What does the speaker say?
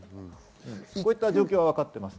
こういった状況はわかっています。